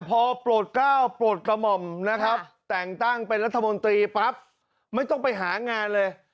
พอโปรดก้าวโปรดกระหม่อมนะครับแต่งตั้งเป็นรัฐมนตรีปั๊บไม่ต้องไปหางานเลย